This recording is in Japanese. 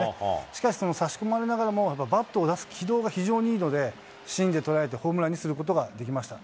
しかし、その差し込まれながらもバットを出す軌道が非常にいいので、芯で捉えて、ホームランにすることができました。